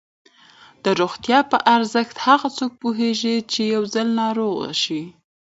د روغتیا په ارزښت هغه څوک پوهېږي چې یو ځل ناروغ شي.